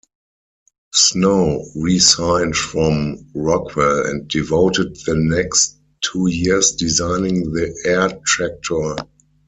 Snow resigned from Rockwell and devoted the next two years designing the Air Tractor.